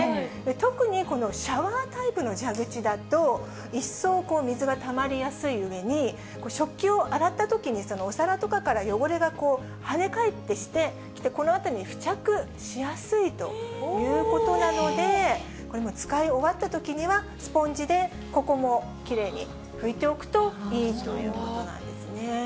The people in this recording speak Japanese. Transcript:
特にこのシャワータイプの蛇口だと、一層、水がたまりやすいうえに、食器を洗ったときに、お皿とかから汚れが跳ね返ってきて、このあたりに付着しやすいということなので、これ、使い終わったときにはスポンジでここもきれいに拭いておくといいということなんですね。